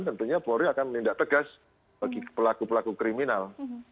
tentunya polri akan menindak tegas bagi pelaku pelaku kriminal